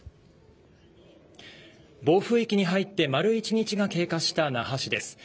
暴風域に入って丸一日が経過した那覇市です。